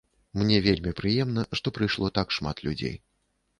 Мне вельмі прыемна, што прыйшло так шмат людзей.